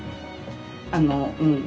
あのうん。